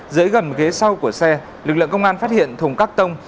dưới gầm ghế sau của xe lực lượng công an phát hiện thùng các tông